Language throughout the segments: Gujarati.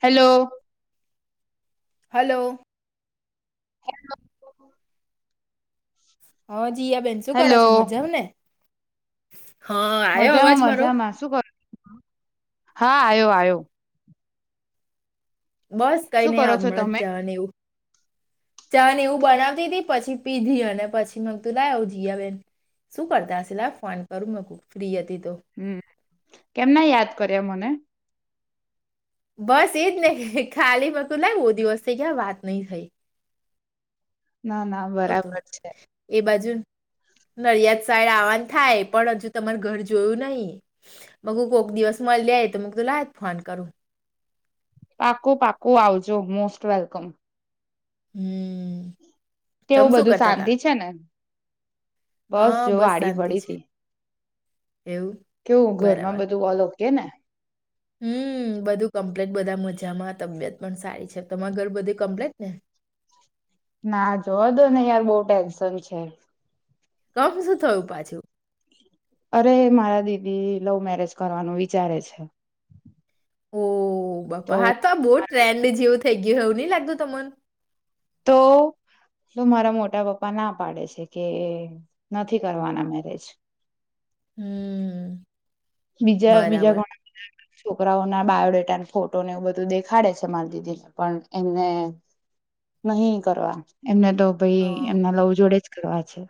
હેલો હલો હે હ જયા બેેન શું કરો છો મજા આવ ને હા આવ્યો અવાજ મજામાં મારો મજામાં શું કરું હા આવ્યો આ્યો બસ કઈ શું નહી કરો છો આપમણા તમે જ જવા એવું ચા એવું બનાવતી તી પછી પીધી અને પછી મ તું લાવ આવ જયા બેેન શું કરતા સિલા ફોન કરું મ ફ્રી હતી તો હમ કેમના યાદ કર્યા મને હ બસ એજ ને ખાલી પકું લાવ બહ દિવસથી ક્યા વાત નહી થઈ ના ના તો તો બરાબર છે એ બાજુ નડિયાદ સાઈડ આવવાનું થાય પણ હજુ તમાર ઘર જોયું નહીિ બગ કોક દિવસમાં લે તો મ તો લાય જ ફોન કરું પાકું પાકું આવજો મોસ્ટ વેલકમ હમ તમે કેવું શું બધું કરતા તા શાંતિ છે ને? બસ હા જો આડી શાંતિ પડી છે તી. એવું કેવું ઘર માં બરાબર બધું ઓલો તેને હમ્મ, બધું કમ્પ્લીટ બધા મજામાં તબિયત પણ સારી છે. તમારા ઘર બધી કમ્પ્લીટ ને? ના જોવા દો ને યાર બહુ ટેન્શન છે. કમ શું થયું પાછું? અરે મારા દીદી લવ મેરેજ કરવાનું વિચારે છે. ઓ. ઓ બાપા હા તો આ બહુ મારા ટ્રેન્ડ જેવું થઈ ગયું હેવું નહી લાગતું તમન? તો મારા મોટા પપ્પા ના પાડે છે કે નથી કરવાના મેરેજ. હમ્મ. બીજા બીજા બરાબર. કોણે [inaudible] છોકરાઓના બાયોડેટાને ફોટોને એવું બધું દેખાડે છે મારી દીદીને પણ એમને નહીં કરવા. એમને તો ભઈ હા, એમના લવ જોડેજ કરવા છે.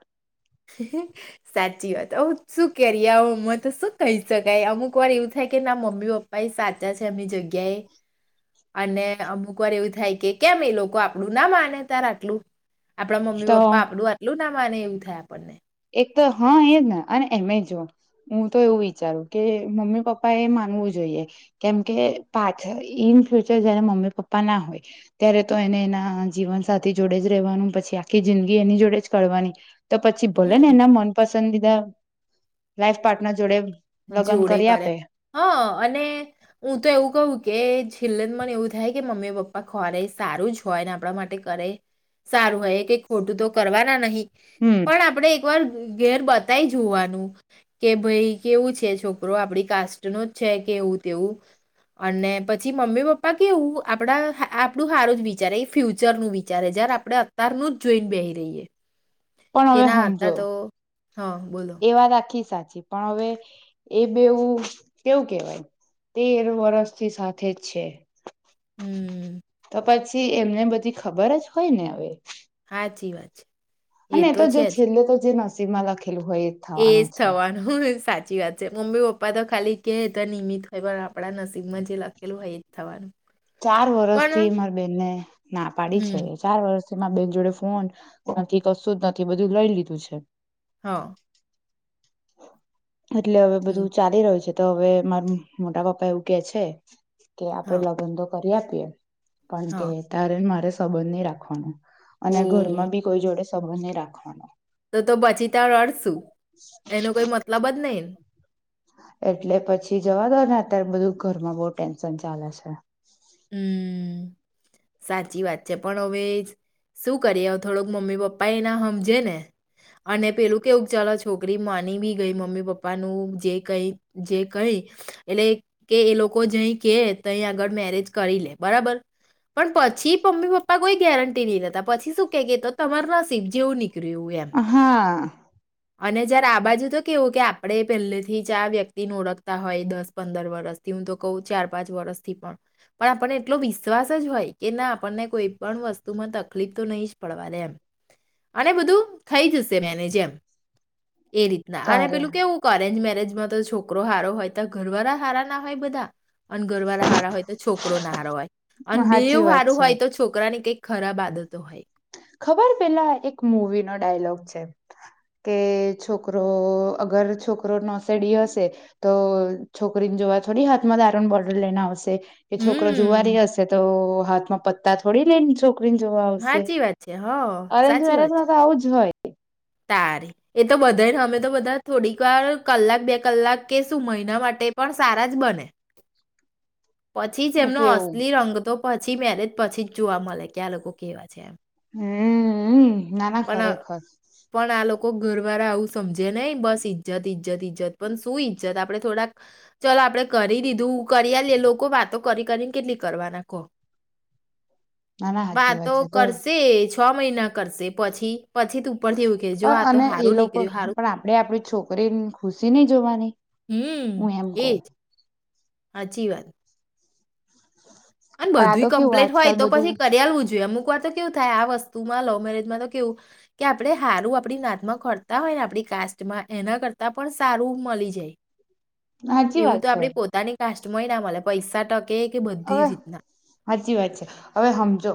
સાચી વાત અવ શું કરીએ આવો ઉમર તો શું કહી શકાય. અમુક વાર એવું થાય કે ના મમ્મી પપ્પા એ સાચા છે એમની જગ્યા એ. અને અમુક વાર એવું થાય કે કેમ એ લોકો આપણુંના માને તાર આટલું. આપડા મમ્મી તો પપ્પા આપડું આટલું ના માને એવું થાય. પનને. એક તો હ એજ ને અને એમે જો હું તો એવું વિચારું કે મમ્મી પપ્પા એ માનવું જોઈએ કેમ કે પાછ ઈનફ્યુચર જયારે મમ્મી પપ્પા ના હોય ત્યારે તો એને એના જીવન સાથે જોડે જ રેવાનું પછી આખી જિંદગી એની જોડે જ કરવાની તો પ હમ્મ. બોલોને એના મનપસ સંદીદા લાઈફ પાર્ટનર જોડે લગ્ન જોડે કરી કરે. આપે હા અને હું તો એવું કહું કે છેલ્લે મને એવું થાય કે મમ્મી પપ્પા ખોળે સારું જ હોય ને આપણા માટે કરે સારું હોય કે ખોટું તો કરવાના નહીં. હમ પણ આપડે પર ઘેર બતાય જોવાનું કે ભઈ કેવું છે છોકરો આપડી કાસ્ટનું જ છે કે એવું તેવું. અને પછી મમ્મી પપ્પા કેવું આપડા આપડું સારું જ વિચારે એ ફ્યુચર નું વિચારે જયારે આપડે અત્યારનું જ જોઈને બેહી રહીએ. પણ કે હવે ના હમજો, અત્યાર તો હા બોલો એ વાત આખી સા પછી. પણ હવે એ બવું કેવું કેવાય તેર વરર્ષથી સાથે જ છે. હમ તો પછી એમને બધી ખબર જ હોયને હવે. સાચી વાત અને એતો જો છેલ્લે તો જેનાસ છે નાલાક એજ થવાનું સાચ- ચી વાત છે. મમ્મી પપ્પા તો ખાલી કે તો નિમિત હોય બૈરા ચાર પણ વરર્ષથી મારી બેનને ના પાડી છે. હમ, ચાર વર્ષ છે માં બેન જોડે ફોન નથી, કશું જ નથી બધું લઈ લીધું છે. હ. એટલે હવે હમ, બધું ચાલી રહ્યું છે. તો હવે મારી મોટા પપ્પા એવું કે છે કે આપરે હા, લગ્ન તો કરી આપીએ. પણ કે હા. તારે મારે સંબંધ નય રાખવાનું. અને ઓહ! ઘરમાં બી કોઈ જોડે સબંધ નહી રાખવાનો. તો તો બચીતા રડશું એટલે પછી જવા દોને અત્યારે બધું ઘરમાં બહુ ટેન્શન ચાલે છે. હમ્મ, સાચી વાત છે. પણ હવે શું કરીએ થોડોક મમ્મી પપ્પાએ ના હમજેને. અને પેલું કેવું ચાલો છોકરી માની બી ગઈ મમ્મી પપ્પાનું જે કઈ જે કઈ એટલે કે એ લોકો જઈ કે તઈ આગળ મેરેજ કરી લે બરાબર. પણ પછી મમ્મી પપ્પા કોઈ ગેરંટી નહી લેતા. પછી શું કે તો તમાર નસીબ જેવું નીક હા. અને જયારે આ બાજુ તો કેવું, કે આપડે પહેલેથી જ આ વ્યક્તિને ઓળખતા હોય. દસ પંદર વરસથી, હું તો કહુ ચાર પાંચ વરસથી પણ પણ આપણને એટલો વિશ્વાસ જ હોય, કે ના આપણને કોઈ પણ વસ્તુમાં તકલીફ તો નહી જ પડવા દે એમ. અને બધું થઈ જશે મેનેજ એમ. એ રીતના અને તારે પેલું કેવું ક અરેન્જ મેરેજ એમાં તો છોકરો હારો હોય તો ઘરવારા હારા ના હોય બધા અન ગરવારા હારા હોય તો છોકરો ના હારો હોય. અને સાચી બેયોં વાત હારું છે હોય તો છોકરા ની કઈક ખરાબ આદતો હોય. ખબર પેલા એક મૂવી નો ડાયલોગ છે. કે છોકરો અગર છોકરો નોસેડી હશે તો છોકરીન જોવા થોડી હાથમાં દારૂની બોટલ લેને આવશે. કે છોકરો હમ જુવારી હશે તો હાથમાં પત તા થોડી લેની છો કરીન જોવા આવશે સાચી વાત છે હઅ અરેન્જ સાચી વાત મેરેજમાં છે. તો આવું હોય તારી એ તો બધાને હમે તો બધા થોડીક વાર કલાક બે કલાક કે સું મહિના માટે પણ સારા જ બને. પછી જ એમનો તેવું અસલી રંગ તો પછી મેરેજ પછી જ જોવા મળે કે આ લોકો કેવા છે એમ. હમ્મમ ના ના ખરેખર. કો ઘરવારા આવુ હમ જેને બસ ઈજ્જતથી ઈજ્જત ઈજ્જત પણ શું ઈજ્જત આપડે થોડાક ચલ આપડે કરી દીધું કરી આલીએ લોકો વાતો કરી કરીને કેટલી કરવાના કો ના ના સાચી વાત વાતો છે તો કરશે જ હ મહિના કરશે પછી પછી તો ઉપરથી એવું કે જો પણ આ તો અને એ હારું લોકો નીકળ્યું હારું પણ આપણેે આપડી છોકરીની ખુશી નહી જોવાની હું હમ એમ કઉ એજ હાચી વાત અને પણ આ બધું તો કેવું કમ્પ્લીટ હોય આજકાલ તો બધું પછી કર્યાલવું જોઈએ અમુક તો કેવું થાય આ વસ્તુમાં લવ મેરેજમાં તો કેવું કે આપણે સારું આપણી નાતમાં કરતા હોય ને આપણી કાસ્ટમાં એના કરતા પણ સારું મળી જાય. હાચી વાત છે. લાસસ્ટ મહિના મલે પૈસા તક. કે કે હવે બધીજી સાચી વાત છે હવે સમજો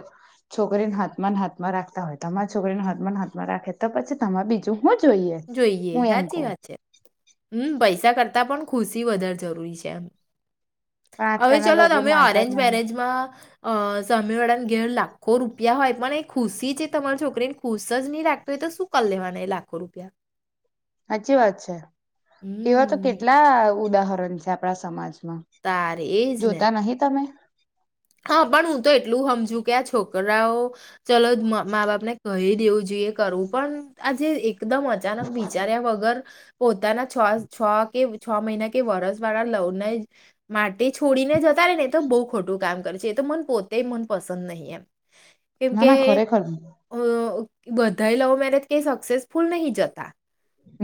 છોકરીને હાથમાં હાથમાં રાખતા હોય, તમારા છોકરીને હાથમાં હાથમાં રાખે તો પછી તમારે બીજું? હું જોઈએ જોઈએ, હું એમ કહ હાચી વાત છે હમ પૈસા. કરતા પણ ખુશી વધારે જરૂરી છે એમ. પણ હવે આજકાલના ચલો લોકો તમે માનતા અરેન્જ જ નહી મેરેજમાં અ સાંમેવાળા ના ઘેર લાખો રૂપિયા હોય પણ એ ખુશી છે, તમારી છોકરીને ખુશ જ નહી રાખતી હોય તો શું કરી લેવાના એ લાખો રૂપિયા? સાચી વાત છે એવા તો હમ કેટલા ઉદાહરણ. છે આપણા સમાજ. તારે એજ ને જોતા નહીં તમે. હા પણ હું તો એટલું સમજુ કે આ છોકરાઓ, ચલો મા બાપ ને કહી દેવું જોઈએ. કરવું પણ આજે એકદમ અચાનક વિચાર્યા વગર. પોતાના છ-છ કે છ મહિના કે વર્ષ વાળા લવને માટે છોડીને જતા રહે ને તો બહુ ખોટું કામ. એ તો મને પોતે મન પસંદ નહીં એમ. કેમ ના ના કે ખરેખર અ. બધા લવ મેરેજ કઈ સક્સેસફુલ નહીં જતા.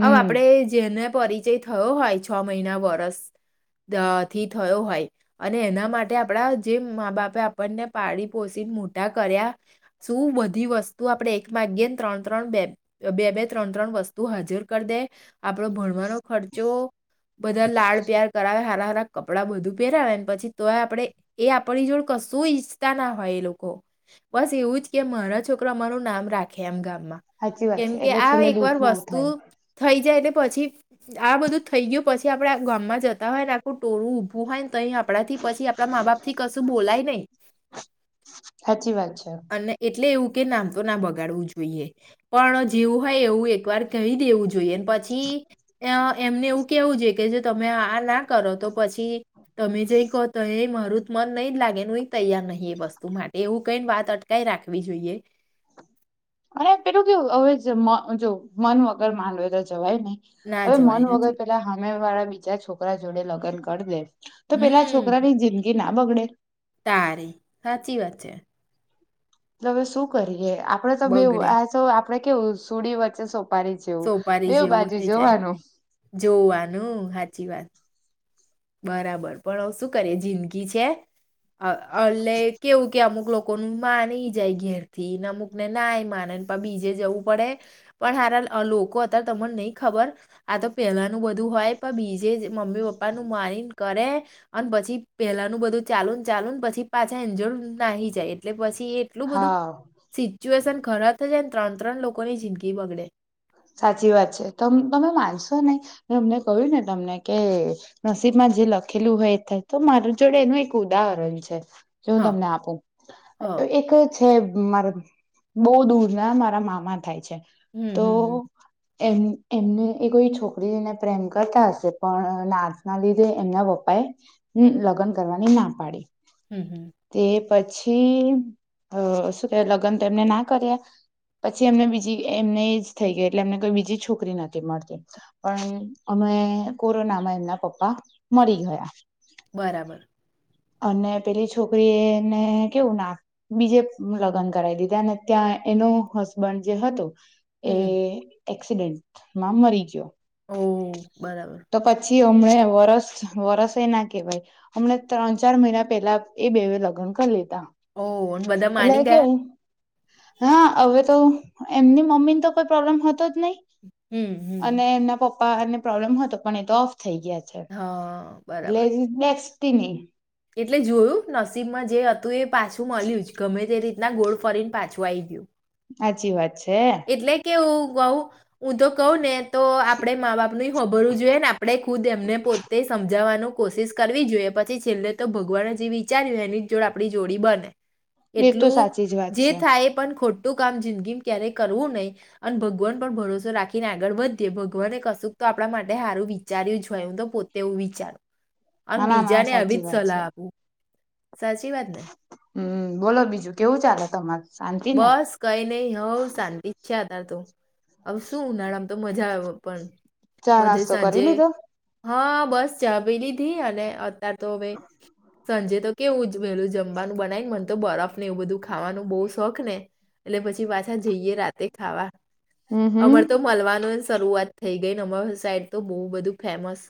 હવે આપડે જેને પરિચય થયો હોય છ મહિના, વર્ષથી થયો હોય અને એના માટે આપણા. જે મા બાપે આપણને પાળી પોસીને મોટા કર્યા, શું બધી વસ્તુ આપણે એક માગ્યે ને ત્રણ-ત્રણ, બે- બે બે ત્રણ ત્રણ વસ્તુ હાજર કરી દે, આપડો ભણવાનો. ખર્ચો, બધા લાડ પ્યાર કરાવે હારા હારા. કપડાં બધું પહેરાવેને પછી તોય આપડે. એ આપની જોડ કશું ઈચ્છતા ના હોય, એ લોકો બસ એવું જ કે મારા છોકરા અમારું નામ રાખે એમ ગામમાં. સાચી વાત છે કેમકે એટલે આ છેલ્લે એક વાર દુખવું વસ્તુ થાય થઈ જાય. પછી આ બધું થઈ ગયું પછી આપડે ગામમાં જતા હોય ને આખું ટોરું ઊભું હોય. તો અહીં આપણાથી પછી આપણા મા બાપ. થી કશું બોલાય નહીં સાચી વાત છે અને એટલે એવું કે નામ તો ના બગાડવું જોઈએ, પણ જેવું હોય એવું એક વાર કહીં દેવું જોઈએ. પછી એમને એવું કેવું જોઈ કે. તમે આ ના કરો તો પછી તમે જ કહો તો મારું. મન નહીં જ લાગે, એ ન એ તૈયાર નહી એ વસ્તુ માટે, એવું કંઈ વાત અટકાય રાખવી જોઈએ. અને પેલું કેવું, હવે જો મન વગર માનવે તો જવાય નહીં. ના હવે જવાય મન વગર સાચી પેલા હામે વાળા. બીજા છોકરા જોડે લગન કરી દે તો પેલા હમ છોકરાની જિંદગી ના હ બગને તારે સાચી વાત છે. હવે શું કરી એ આપડે તો બે બગડે આપણે કે સુડી વચ્ચે સોપ સોપારી જેવું થઈ જાય જોવાનું હા સાચી વાત. બરાબર પણ શું કરીએ જિંદગી છે એટલે કેવું કે અમુક લોકોનું માની જાય ઘેર થી ને અમુકને ના માનેને પણ બીજે જવું પડે પણ સાર લોકો અત્યારે તમને નઈ ખબર આ તો પેલાનું બધું હોય પણ બીજે મમ્મી પપ્પાનું મારી કરે અને પછી પેલાનું બધું ચાલુ ચાલુ પછી પાછા એજર નાહી જાય એટલે પછી એટલું બધું હા સીચુએશન ઘરા થ જાયને ત્રણ ત્રણ લોકો ની જિંદગી બગડે સાચી વાત છે તમે માનશો નને અમને કહ્યું ને તમને કે નસીબમાં જે લખેલું હોય એ થાય તો મારી જોડે એનું એક ઉદાહરણ છે. જો હું હા તમને આપું હ એક છે મારા બહુ દૂર ના મારા મામા થાય છે. હમ તો હમ હ એમ એમને એ કોઈ છોકરીને પ્રેમ કરતા હશે પણ નાથના લીધે એમના પપ્પા એ લગ્ન કરવાની ના પાડી હમ હમ તે પછી શું કે લગ્ન તો એમને ના કર્યા પછી એમને બીજી એમને થઈ ગઈ એટલે એમને કોઈ બીજી છોકરી નથી મળતી પણ અમે કોરોના માં એમના પપ્પા મરી ગયા બરાબર. અને પેલી છોકરી એને કેવું ના બીજે લગ્ન કરાવી દીધા ને ત્યાં એનો હસબન્ડ જે હતો એ હમ એક્સિડેન્ટમાં મરી ગયો ઓ બરાબર હમ વરસ વરસ એ ના કેહેવાય હમણા ત્રણ ચાર મહિના પહેલા એ બે લગ્ન કરી લીધ ઓ હ બધા માની ગયા હા હવે તો એમની મમ્મી ને તો કોઈ પ્રોબ્લેમ હતો જ ન હમ, હમ. અને એમના પ પને પ્રોબ્લેમ હતો પણ એતો થઈ ગયા હા, બરાબર. છે [unintelligible] તીની એટલે જોયું નસીબમાં જે હતું એ પાછું મળ્યું જ ગમે તે રી ના ગોળ ફોરીન પાછુ આયી ગયું હાચી વાત છે એટલે [unintelligible] હું તો કહું ને તો આપડણે મા બાપ ન હોબરવું જોઈએ ને આપણેે ખુદ એમને પોતે સમજાવાનું કોશિશ કરવી જોઈએ પછી છેલ્લે તો ભગવાને જે વિચાર્યું એની જોડ આપણી જોડી બને એ તો એટલું સાચી જ વાત જે છે થાય પણ ખોટું કામ જિંદગી ક્યારેય કરવું નહી અને ભગવાન પર ભરોસો રાખીને આગળ વધીએ ભગવાનને કશુંક તો આપણા માટે સારું વિચાર્યું જો હોય હું તો પોતે એવું વિચારું ના આમ ના બીજાને અવિ સલાહ આપું સાચી વાત ને હમ્મ બોલો બીજું કેવું ચાલે તમારે બસ કઈ નહી હોવ શાંતિ છે ને તો હવે શું ઉનાળામ તો મજા આવે પણ ચા બધે નાસ્તો કરી સાંજે લીધો હા બસ ચા પી લીધી અને તર તોવે સંંજે તો કેવું જ વહેલું જમવાનું બનાવીને મને તો બરફ ને એવું બધું ખાવાનું બહુ શોખ ને એટલે પછી પાછા જઈએ રાતે ખાવા હમ હમ અમર તો મળવાનું જ શરૂઆત થઈ ગઈ નમર સાઈડ તો બહુ બધું ફેમસ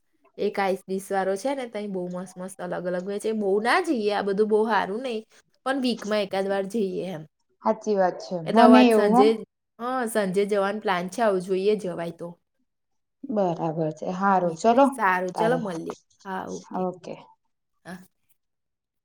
એક આઈસ ડિશ વાળો છે ને ત બહુ મસ્ત મસ્ અલગ અલગ હોય છે બહુ ના જઈએ આ બધું બહુ હા રું નહી પણ વીકમાં એકાદ વાર જઈએ એમ હાચી વાત છે એટલે હવે મને આજ હી એવું સાંજે હ હા સાજે જવાનું પ્લાન છે આવું જોઈએ જવાય તો બરાબર હારું એટલે ચલો સારું ચલો તારે મળીએ હા ઓકે હા